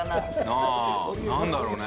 ああなんだろうね？